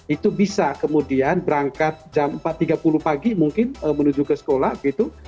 itu bisa kemudian berangkat jam empat tiga puluh pagi mungkin menuju ke sekolah gitu